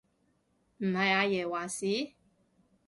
唔係阿爺話事？